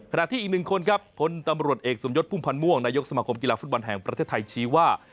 ขณะที่อีกหนึ่งคนครับพลตำรวจเอกสมยศพุ่มพันธ์ม่วงนายกสมาคมกีฬาฟุตบอลแห่งประเทศไทยชี้ว่า